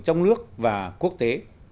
trong nước và quốc tế